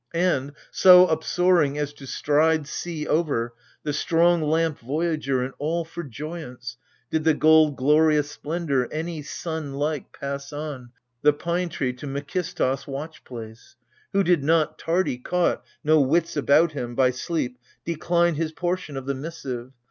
And, — so upsoaring as to stride sea over, The strong lamp voyager, and all for joyance — Did the gold glorious splendor, any sun like, Pass on — the pine tree — to Makistos' watch place ; Who did not, — tardy, — caught, no wits about him. By sleep, — decline his portion of the missive.